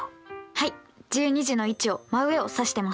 はい。